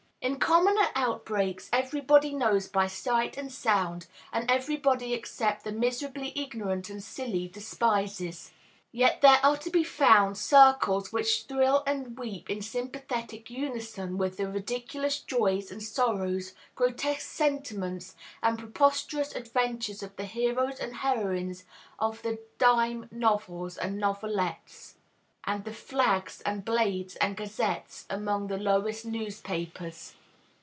Its commoner outbreaks everybody knows by sight and sound, and everybody except the miserably ignorant and silly despises. Yet there are to be found circles which thrill and weep in sympathetic unison with the ridiculous joys and sorrows, grotesque sentiments, and preposterous adventures of the heroes and heroines of the "Dime Novels" and novelettes, and the "Flags" and "Blades" and "Gazettes" among the lowest newspapers.